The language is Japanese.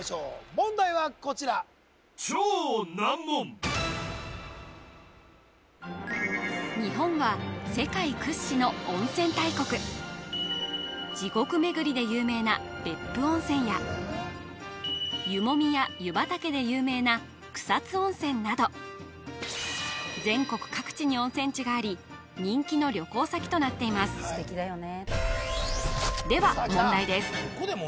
問題はこちら日本は世界屈指の温泉大国地獄巡りで有名な別府温泉や湯もみや湯畑で有名な草津温泉など全国各地に温泉地があり人気の旅行先となっていますでは問題です